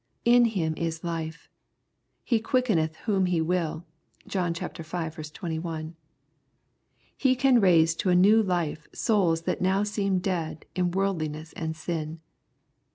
In Him is life. He quickeneth whom He will. (John V. 21.) He can raise to a new life souls that now seem dead in worldliness and sin.